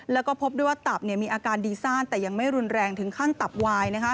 แล้วก็พบด้วยว่าตับมีอาการดีซ่านแต่ยังไม่รุนแรงถึงขั้นตับวาย